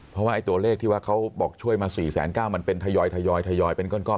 เพราะว่าไอ้ตัวเลขที่ว่าเขาบอกช่วยมาสี่แสนเก้ามันเป็นทยอยทยอยทยอยเป็นก้อนก้อน